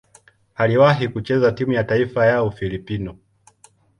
Aliwahi kucheza timu ya taifa ya Ufilipino.